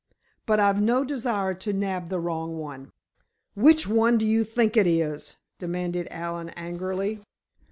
But I've no desire to nab the wrong one." "Which one do you think it is?" demanded Allen, angrily.